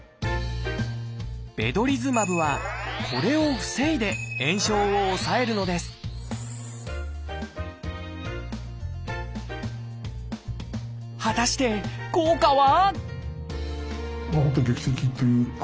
ベドリズマブはこれを防いで炎症を抑えるのです果たして効果は？